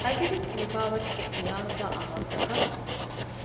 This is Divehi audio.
އަދިވެސް މިބާވަތުގެ ވިޔާނުދާ ޢަމަލުތަކަށް